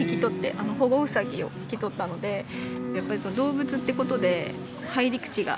あの保護ウサギを引き取ったのでやっぱりその動物ってことで入り口が。